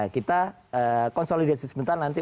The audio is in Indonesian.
kita konsolidasi sebentar nanti